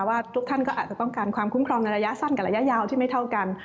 ว่าทุกท่านก็อาจจะต้องการความคุ้มครองในระยะสั้นกับระยะยาวที่ไม่เท่ากัน